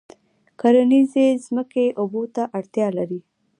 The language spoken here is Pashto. کرنیزې ځمکې اوبو ته اړتیا لري.